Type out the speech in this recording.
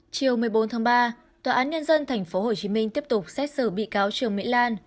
chiều một mươi bốn tháng ba tòa án nhân dân tp hcm tiếp tục xét xử bị cáo trương mỹ lan